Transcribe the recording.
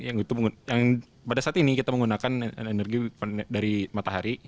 jadi pada saat ini kita menggunakan energi dari matahari